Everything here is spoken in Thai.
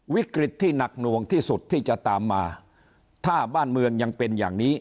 วิกฤตที่หนักหน่วงที่สุดที่จะตามมาถ้าบ้านเมืองยังเป็นอย่างนี้